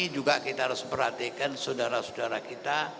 juga kita harus perhatikan saudara saudara kita